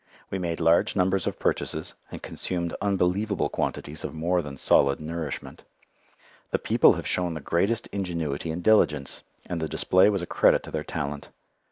We made large numbers of purchases, and consumed unbelievable quantities of more than solid nourishment. The people have shown the greatest ingenuity and diligence, and the display was a credit to their talent.